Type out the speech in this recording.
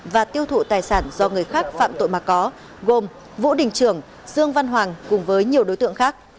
và tiêu thụ tài sản do người khác phạm tội mà có gồm vũ đình trưởng dương văn hoàng cùng với nhiều đối tượng khác